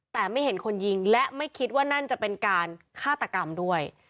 แต่ไม่เห็นคนยิงและไม่คิดว่านั่นจะเป็นการฆาตกรรมด้วย